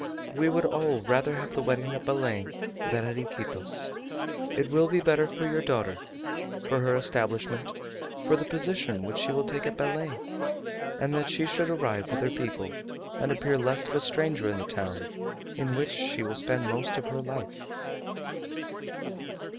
We would all rather have the wedding at Belem than at Iquitos. It will be better for your daughter, for her establishment, for the position which she will take at Belem, that she should arrive with her people, and appear less of a stranger in the town in which she will spend most of her life."